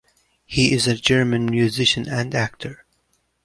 He is a German musician and actor.